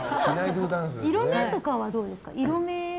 色味とかはどうですか？